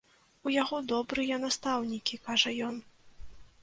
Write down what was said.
У яго добрыя настаўнікі, кажа ён.